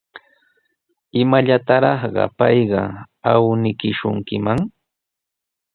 ¿Imallataraqa payqa awniykishunkiman?